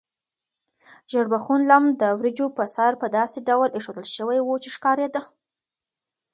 ژیړبخون لم د وریجو په سر په داسې ډول ایښودل شوی و چې ښکارېده.